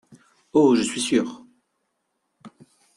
Oh ! je suis sûr…